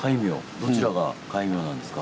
どちらが戒名なんですか？